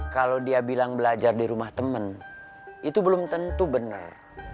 kalau dia bilang belajar di rumah teman itu belum tentu benar